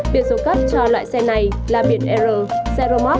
việc sổ cấp cho loại xe này là biển error xe romop